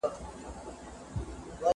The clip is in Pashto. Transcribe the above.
کوم هیواد غواړي هوایي حریم نور هم پراخ کړي؟